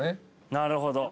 なるほど。